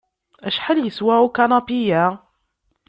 Acḥal yeswa ukanapi-ya?